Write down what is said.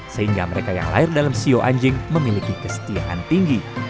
sehingga mereka yang lahir dalam sio anjing memiliki kesetiaan tinggi